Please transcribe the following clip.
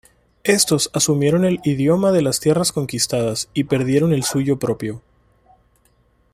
Estos asumieron el idioma de las tierras conquistadas y perdieron el suyo propio.